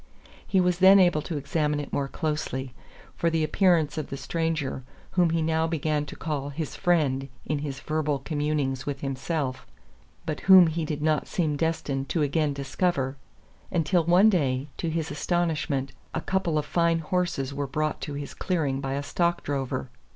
He was then able to examine it more closely, for the appearance of the stranger whom he now began to call "his friend" in his verbal communings with himself but whom he did not seem destined to again discover; until one day, to his astonishment, a couple of fine horses were brought to his clearing by a stock drover.